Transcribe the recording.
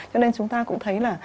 cho nên chúng ta cũng thấy là